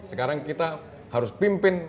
sekarang kita harus pimpin